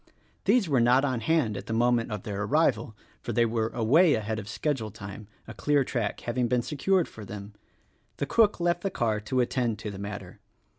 These were not on hand at the moment of their arrival ; for they were away ahead of schedule time — a clear track having been secured for them. The cook left the car to attend to the matter.